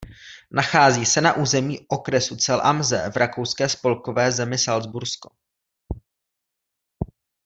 Nachází se na území okresu Zell am See v rakouské spolkové zemi Salcbursko.